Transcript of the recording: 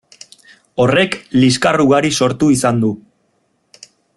Horrek liskar ugari sortu izan du.